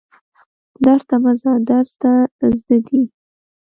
درس ته مه ځه درس ته ځه دي